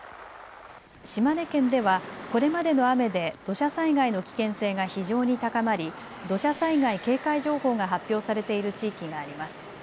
島根県ではこれまでの雨で土砂災害の危険性が非常に高まり土砂災害警戒情報が発表されている地域があります。